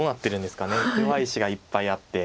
弱い石がいっぱいあって。